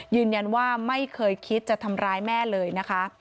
ยืนยันว่าไม่เคยคิดจะทำร้ายแม่เลยนะคะ